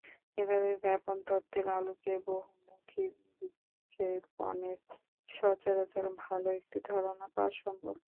এভাবে ব্যাপন তত্ত্বের আলোকে বহুমুখী বিক্ষেপণের সচরাচর ভাল একটি ধারণা পাওয়া সম্ভব।